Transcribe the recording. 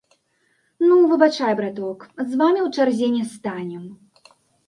Ну, выбачай, браток, з вамі ў чарзе не станем.